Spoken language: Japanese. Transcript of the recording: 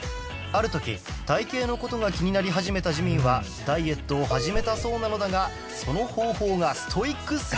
ある時体形の事が気になり始めたジミンはダイエットを始めたそうなのだがその方法がストイックすぎた